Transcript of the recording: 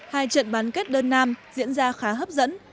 hai trận bán kết đơn nam diễn ra khá hấp dẫn